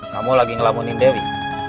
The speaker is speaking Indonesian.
kamu lagi ngelamunin dewi